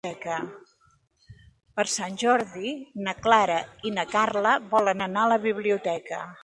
Per Sant Jordi na Clara i na Carla volen anar a la biblioteca.